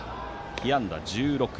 被安打１６。